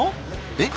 えっ！？